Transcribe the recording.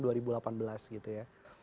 dua ribu delapan belas gitu ya